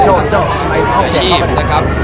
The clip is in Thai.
มุมการก็แจ้งแล้วเข้ากลับมานะครับ